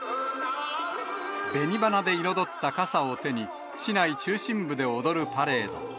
紅花で彩ったかさを手に、市内中心部で踊るパレード。